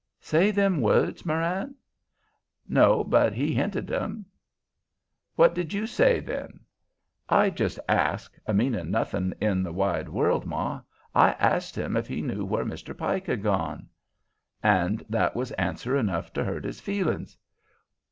"Say them words, Marann?" "No, but he hinted 'em." "What did you say then?" "I just asked, a meaning nothing in the wide world, ma—I asked him if he knew where Mr. Pike had gone." "And that were answer enough to hurt his feelin's.